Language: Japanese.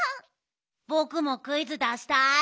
ぼくもクイズだしたい！